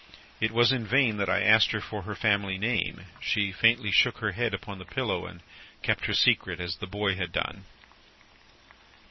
It was in vain that I asked her for her family name. She faintly shook her head upon the pillow, and kept her secret, as the boy had done.